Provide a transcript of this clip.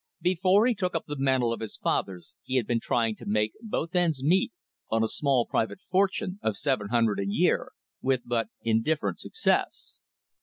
Before he took up the mantle of his fathers he had been trying to make both ends meet on a small private fortune of seven hundred a year, with but indifferent success.